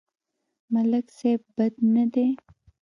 ملک صيب بد نه دی.